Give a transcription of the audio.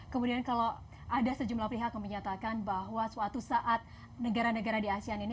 kemudian kalau ada sejumlah pihak yang menyatakan bahwa suatu saat negara negara di asean ini